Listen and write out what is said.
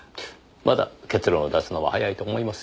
まだ結論を出すのは早いと思いますよ。